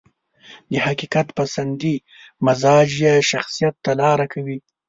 د حقيقت پسندي مزاج يې شخصيت ته لاره کوي.